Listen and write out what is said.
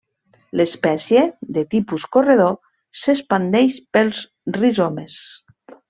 L'espècie, de tipus corredor, s'expandeix pels rizomes.